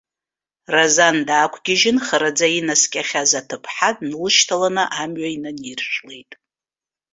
Разан даақәгьежьын, хараӡа инаскьахьаз аҭыԥҳа длышьҭаланы амҩа инаниршәлеит.